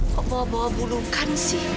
kok bawa bawa bulukan sih